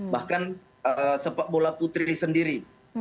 bahkan sepak bola putri sendiri